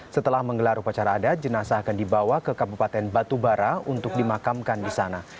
setelah menggelar upacara adat jenazah akan dibawa ke kabupaten batubara untuk dimakamkan di sana